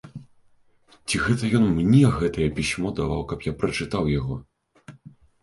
Ці гэта ён мне гэтае пісьмо даваў, каб я прачытаў яго?